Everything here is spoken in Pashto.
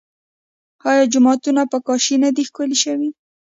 آیا جوماتونه په کاشي نه دي ښکلي شوي؟